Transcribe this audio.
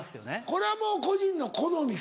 これはもう個人の好みか。